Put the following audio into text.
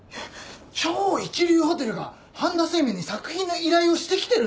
超一流ホテルが半田清明に作品の依頼をしてきてるんです！